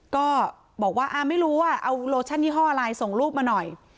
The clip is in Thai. ก็บอกว่าไม่รู้ว่าเอาโลชั่นยี่ห้ออะไรส่งรูปมาหน่อย